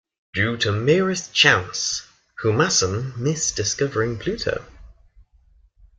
Due to merest chance, Humason missed discovering Pluto.